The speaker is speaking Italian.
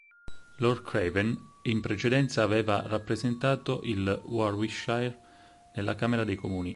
Lord Craven in precedenza aveva rappresentato il Warwickshire nella Camera dei comuni.